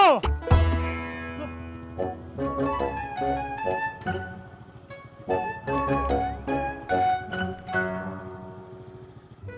buat lu bojengkol